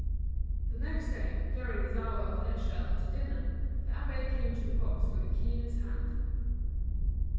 The next day, during his hour of leisure after dinner, the abbé came to the box with the key in his hand.